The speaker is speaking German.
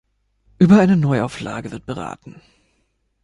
Über eine Neuauflage wird beraten.